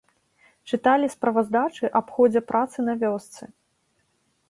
Чыталі справаздачы аб ходзе працы на вёсцы.